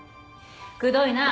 くどいな。